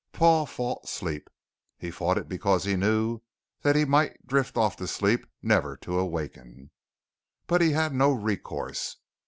Paul fought sleep. He fought it because he knew that he might drift off to sleep never to awaken. But he had no recourse.